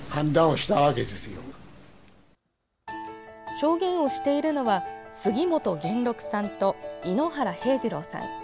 証言をしているのは杉本源六さんと猪原平次郎さん。